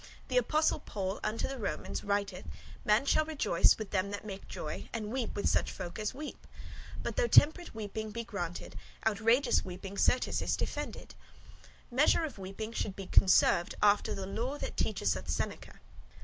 The Apostle Paul unto the Romans writeth, 'Man shall rejoice with them that make joy, and weep with such folk as weep.' But though temperate weeping be granted, outrageous weeping certes is defended. Measure of weeping should be conserved, after the lore [doctrine] that teacheth us Seneca.